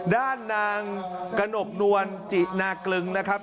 ด้านนางกระหนกนวลจินากลึงนะครับ